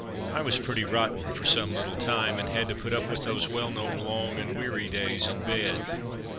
I was pretty rotten for some little time, and had to put up with those well known long and weary days in bed.